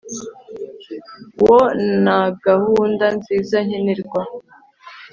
wo na gahunda nziza nkenerwa